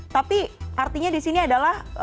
tapi artinya di sini adalah